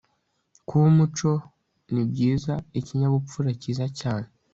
Kuba umuco ni byiza ikinyabupfura cyiza cyane